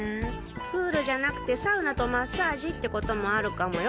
プールじゃなくてサウナとマッサージってこともあるかもよ。